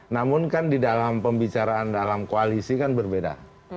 namun kan di dalam pembicaraan dalam koalisi kan berbeda